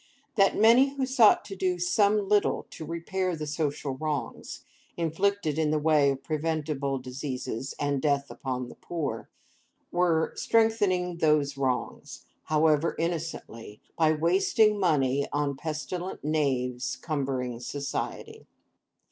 That many who sought to do some little to repair the social wrongs, inflicted in the way of preventible sickness and death upon the poor, were strengthening those wrongs, however innocently, by wasting money on pestilent knaves cumbering society.